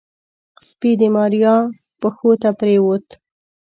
سپي د ماريا پښو ته پرېوت.